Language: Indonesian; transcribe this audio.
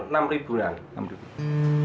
dari dulu dulu itu hampir enam